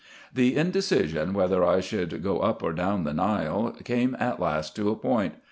The indecision, whether I should go up or down the Nile, came at last to a point.